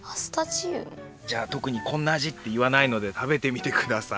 じゃあとくにこんなあじっていわないので食べてみてください。